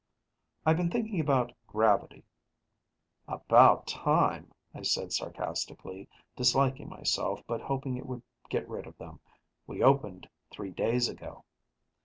"I've been thinking about gravity " "About time," I said sarcastically, disliking myself but hoping it would get rid of them, "we opened three days ago."